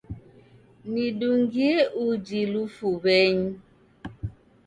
Nidungie uji lufuw'enyi.